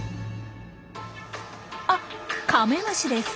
あカメムシです。